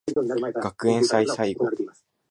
学園祭最後